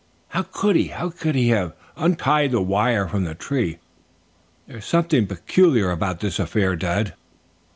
"How could he? How could he have untied the wire from the tree? There is something peculiar about this affair, Dad."